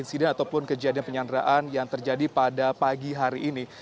insiden ataupun kejadian penyanderaan yang terjadi pada pagi hari ini